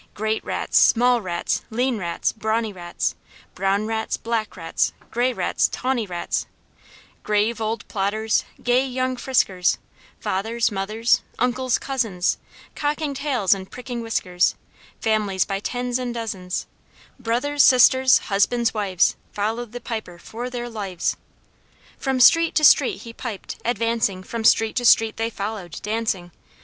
Great rats, small rats, lean rats, brawny rats, Brown rats, black rats, gray rats, tawny rats, Grave old plodders, gay young friskers, Fathers, mothers, uncles, cousins, Cocking tails and pricking whiskers, Families by tens and dozens, Brothers, sisters, husbands, wives Followed the Piper for their lives! From street to street he piped, advancing, from street to street they followed, dancing.